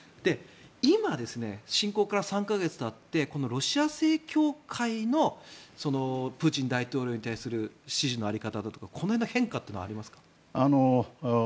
今、侵攻から３か月たってロシア正教会のプーチン大統領に対する支持の在り方だとかこの辺の変化というのはありますか？